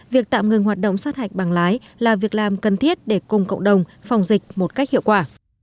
việc tạm ngừng hoạt động sát hạch bằng lái là việc làm cần thiết để cùng cộng đồng phòng dịch một cách hiệu quả